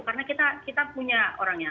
karena kita punya orangnya